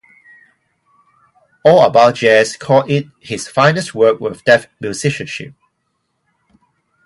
All About Jazz called it his finest work with deft musicianship.